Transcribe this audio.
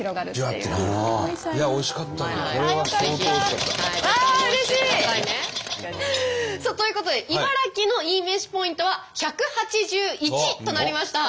うわうれしい！ということで茨城のいいめしポイントは１８１となりました。